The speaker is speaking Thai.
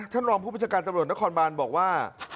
ท่านรองผู้ประชาการตำรวจนครบานบอกว่า